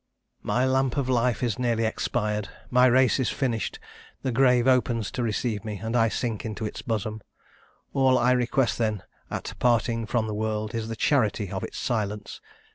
"My lamp of life is nearly expired my race is finished: the grave opens to receive me, and I sink into its bosom. All I request, then, at parting from the world, is the charity of its silence.